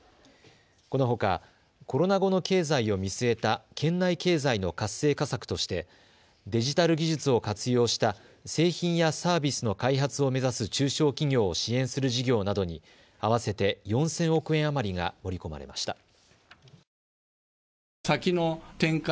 このほか、コロナ後の経済を見据えた県内経済の活性化策としてデジタル技術を活用した製品やサービスの開発を目指す中小企業を支援する事業などに合わせて４０００億円余りが盛り込まれました。